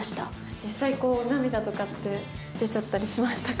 実際、涙とかって出ちゃったりしましたか？